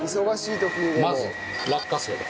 まず落花生。